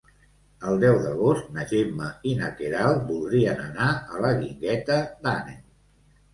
El deu d'agost na Gemma i na Queralt voldrien anar a la Guingueta d'Àneu.